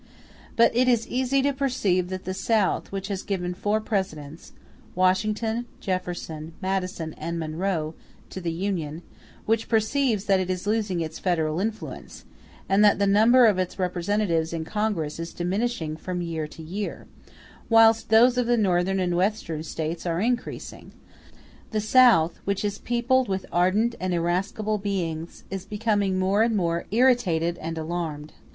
But it is easy to perceive that the South, which has given four Presidents, Washington, Jefferson, Madison, and Monroe, to the Union, which perceives that it is losing its federal influence, and that the number of its representatives in Congress is diminishing from year to year, whilst those of the Northern and Western States are increasing; the South, which is peopled with ardent and irascible beings, is becoming more and more irritated and alarmed.